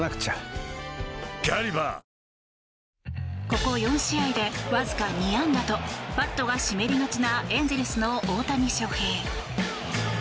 ここ４試合でわずか２安打とバットが湿りがちなエンゼルスの大谷翔平。